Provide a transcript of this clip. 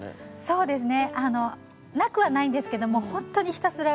そうですね。